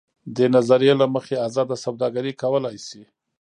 دې نظریې له مخې ازاده سوداګري کولای شي.